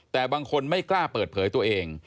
แต่บางคนไม่กล้าเปิดเผยตัวเอง